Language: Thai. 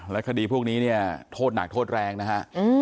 คดีพวกนี้เนี่ยโทษหนักโทษแรงนะฮะ